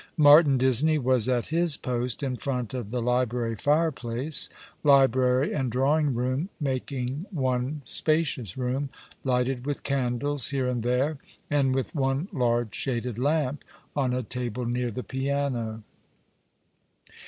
IMartin Disney was at his post in front of the library fireplace, library and drawing room making one spacious room, lighted with candles here and there, and with one large shaded lamp on a tablo near the piano.